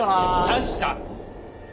確か！